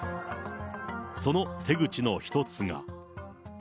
その手口の一つが。